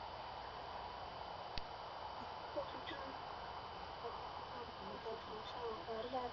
锐鸢无人机是为中华民国中科院研发制造的无人航空载具。